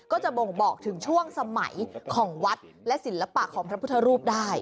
ก็จะบ่งบอกถึงช่วงสมัยของวัดและศิลปะของพระพุทธรูปได้